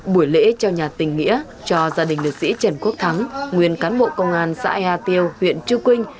buổi lễ trao nhà tình nghĩa cho gia đình liệt sĩ trần quốc thắng nguyên cán bộ công an xã ea tiêu huyện chư quynh